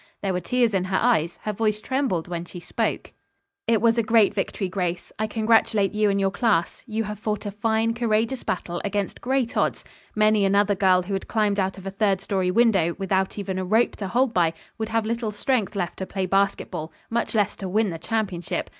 There were tears in her eyes, her voice trembled when she spoke. "It was a great victory, Grace, I congratulate you and your class. You have fought a fine, courageous battle against great odds. Many another girl who had climbed out of a third story window, without even a rope to hold by, would have little strength left to play basketball much less to win the championship.